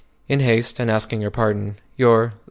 In haste, and asking your pardon, Your L.